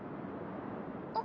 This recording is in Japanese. あっ。